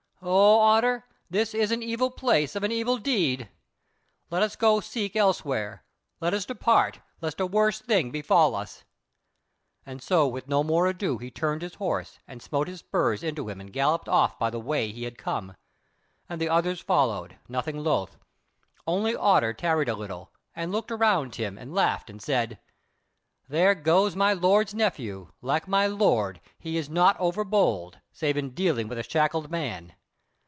O Otter, this is an evil place of an evil deed! Let us go seek elsewhere; let us depart, lest a worse thing befall us." And so with no more ado he turned his horse and smote his spurs into him and galloped off by the way he had come, and the others followed, nothing loth; only Otter tarried a little, and looked around him and laughed and said: "There goes my Lord's nephew; like my Lord he is not over bold, save in dealing with a shackled man.